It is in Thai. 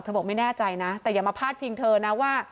บอกไม่แน่ใจนะแต่อย่ามาพาดพิงเธอนะว่า